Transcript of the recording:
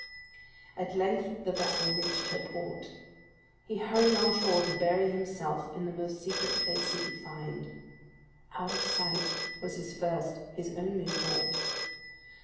At length the vessel reached her port. He hurried on shore to bury himself in the most secret place he could find. Out of sight was his first, his only thought.